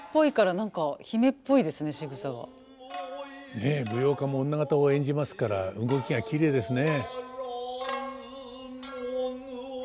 ねえ舞踊家も女方を演じますから動きがきれいですね。